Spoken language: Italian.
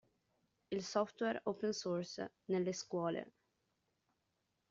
Il software Open Source nelle scuole.